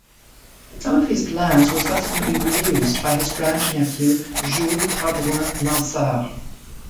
Some of his plans were subsequently reused by his grandnephew, Jules Hardouin Mansart.